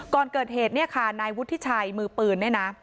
ก่อนเกิดเหตุเนี่ยค่ะนายวุฒิชัยมือปืนเนี่ยนะ